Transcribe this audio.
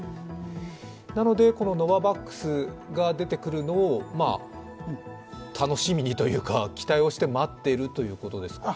なのでこのノババックスが出てくるのを楽しみにというか期待をして待っているということですか。